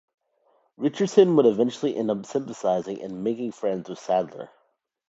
Richardson would eventually end up sympathising and making friends with Sadler.